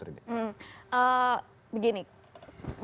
begini mungkin yang diharapkan oleh masyarakat itu